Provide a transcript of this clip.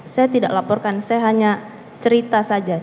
saya tidak laporkan saya hanya cerita saja